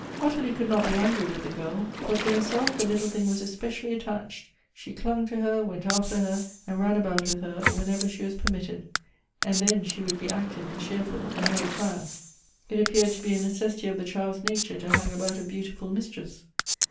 Ottilie could not be angry with the girl, for to herself the little thing was especially attached 7 she clung to her, went after her, and ran about with her, whenever she was permitted — and then she would be active and cheerful and never tire. It appeared to be a necessity of the child's nature to hang about a beautiful mistress.